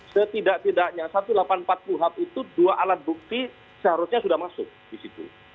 setidak tidaknya satu ratus delapan puluh empat puhab itu dua alat bukti seharusnya sudah masuk di situ